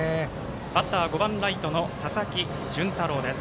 バッター、５番ライトの佐々木純太郎です。